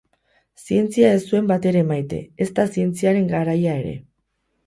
Zientzia ez zuen batere maite, ezta zientziaren garaia ere.